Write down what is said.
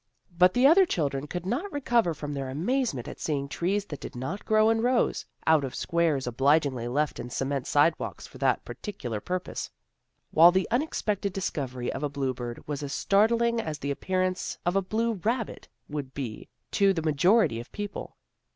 But the other children could not recover from their amazement at seeing trees that did not grow in rows, out of squares obligingly left in cement sidewalks for that particular pur pose, while the unexpected discovery of a blue bird was as startling as the appearance of 1 a blue rabbit would be to the majority of people.